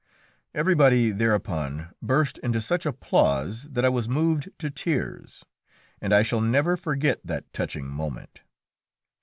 Everybody thereupon burst into such applause that I was moved to tears, and I shall never forget that touching moment.